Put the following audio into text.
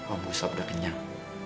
om gustaf udah kenyang